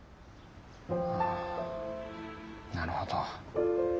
ああなるほど。